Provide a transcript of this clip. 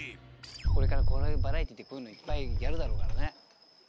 これからバラエティーでこういうのいっぱいやるだろうからね。